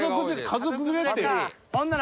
家族連れって。